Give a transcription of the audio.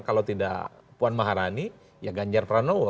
kalau tidak puan maharani ya ganjar pranowo